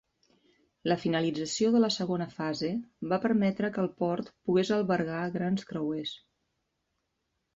La finalització de la segona fase va permetre que el port pogués albergar grans creuers.